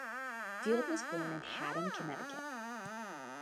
Field was born in Haddam, Connecticut.